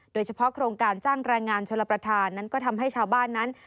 โครงการจ้างแรงงานชลประธานนั้นก็ทำให้ชาวบ้านนั้น